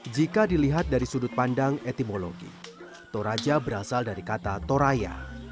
jika dilihat dari sudut pandang etimologi toraja berasal dari kata toraya